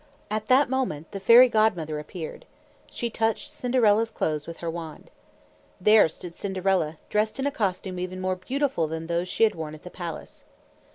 At that moment, the Fairy Godmother appeared. She touched Cinderella's clothes with her wand. There stood Cinderella, dressed in a costume even more beautiful than those she had worn at the palace.